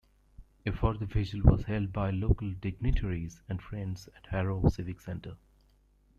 A further vigil was held by local dignitaries and friends at Harrow Civic Centre.